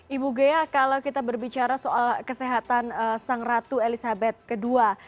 ibu ghea kalau kita berbicara soal kesehatan sang ratu elizabeth ii